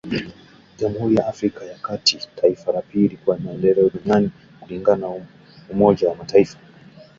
Jamhuri ya Afrika ya kati, taifa la pili kwa maendeleo duni duniani kulingana na umoja wa mataifa